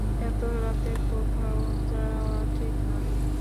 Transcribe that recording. এত রাতে কোথাও যাওয়া ঠিক না।